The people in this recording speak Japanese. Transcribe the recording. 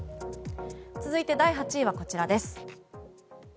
続いて、第８位はこちらです。